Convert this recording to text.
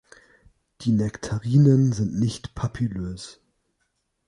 Die Nektarien sind nicht papillös.